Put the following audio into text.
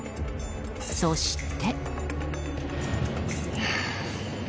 そして。